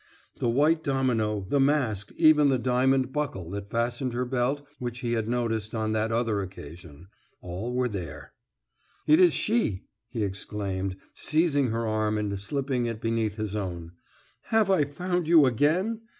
The white domino, the mask, even the diamond buckle that fastened her belt which he had noticed on that other occasion, all were there. "It is she!" he exclaimed, seizing her arm and slipping it beneath his own. "Have I found you again?